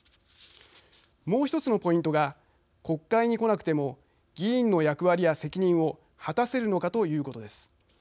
もう１つのポイントが国会に来なくても議員の役割や責任を果たせるのかということです。